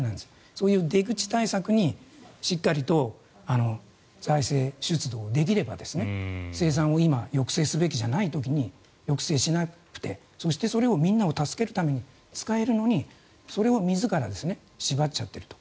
そういう出口対策にしっかりと財政出動できれば生産を今抑制すべきじゃない時に抑制しなくてそしてそれをみんなを助けるために使えるのにそれを自ら縛っちゃっていると。